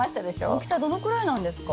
大きさどのくらいなんですか？